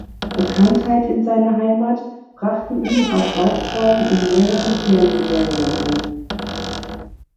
Bekanntheit in seiner Heimat brachten ihm auch Hauptrollen in mehreren Fernsehserien ein.